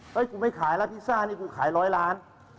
เฮ้ยคุณไม่ขายละพีซ่านี่คุณขาย๑๐๐ล้าน